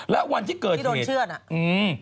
แล้ววันที่เกิดเหตุที่โดนเชื่อน